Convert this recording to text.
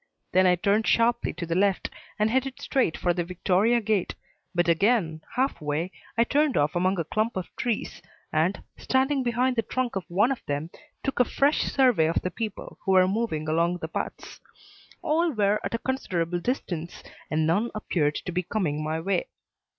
Then I turned sharply to the left and headed straight for the Victoria Gate, but again, half way, I turned off among a clump of trees, and, standing behind the trunk of one of them, took a fresh survey of the people who were moving along the paths. All were at a considerable distance and none appeared to be coming my way.